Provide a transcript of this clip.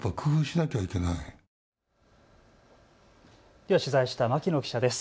では取材した牧野記者です。